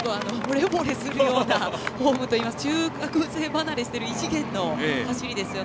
ほれぼれするフォームというか中学生離れしている異次元の走りですよね。